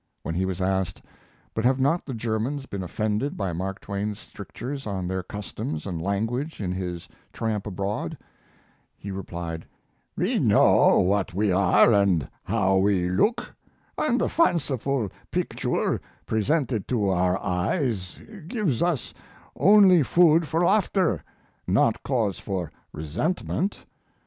When he was asked, "But have not the Germans been offended by Mark Twain's strictures on their customs and language in his 'Tramp Abroad'" he replied, "We know what we are and how we look, and the fanciful picture presented to our eyes gives us only food for laughter, not cause for resentment.